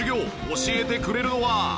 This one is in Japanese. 教えてくれるのは。